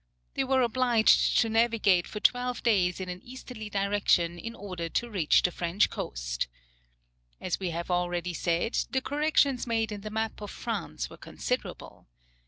They were obliged to navigate for twelve days in an easterly direction in order to reach the French coast. As we have already said, the corrections made in the map of France were considerable.